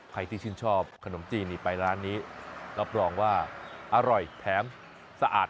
ใครที่ชื่นชอบขนมจีนนี่ไปร้านนี้รับรองว่าอร่อยแถมสะอาด